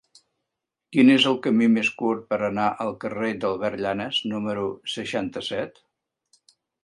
Quin és el camí més curt per anar al carrer d'Albert Llanas número seixanta-set?